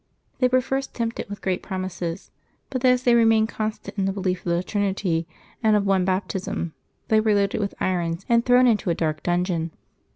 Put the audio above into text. They w^re first tempted with great promises, but as they remained constant in the belief of the Trinity, and of one Baptism, they were loaded with irons and thrown into a dark dungeon.